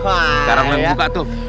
sekarang lain juga tuh